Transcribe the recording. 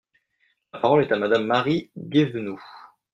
La parole est à Madame Marie Guévenoux.